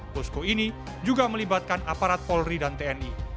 posko ini juga melibatkan aparat polri dan tni